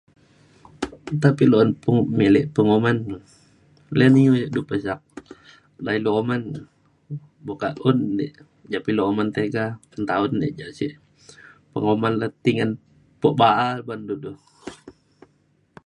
Nta pa ilu un pe milek penguman le. Ley ne iu du pesak ban ilu uman ne buka un dik ja pa ilu uman tiga nta un dik ja sek penguman le ti ngan pe ba’a ban du du